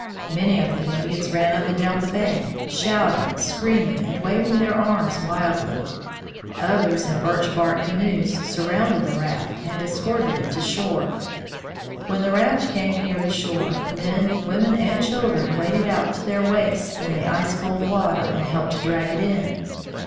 Many of the Indians ran up and down the bank, shouting, screaming, and waving their arms wildly. Others in birch bark canoes surrounded the raft, and escorted it to shore. When the raft came near the shore, men, women, and children waded out to their waists in the ice cold water and helped to drag it in.